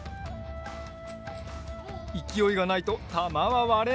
いきおいがないとたまはわれない！